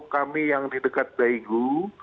kami yang di dekat daegu